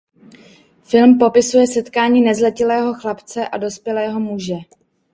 Film popisuje setkání nezletilého chlapce a dospělého muže.